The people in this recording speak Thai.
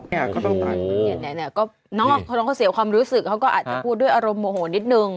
นี่อ่ะก็ต้องตัดเนี่ยเนี่ยเนี่ยก็น้องเขาเสี่ยวความรู้สึกเขาก็อาจจะพูดด้วยอารมณ์โมโหนิดนึง